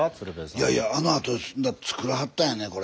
いやいやあのあと作らはったんやねこれ。